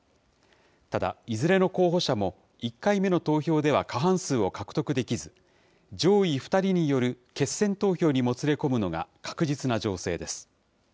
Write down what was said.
ただ、いずれの候補者も１回目の投票では、過半数を獲得できず、上位２人による決選投票にもつれ込むのが確実な情勢です。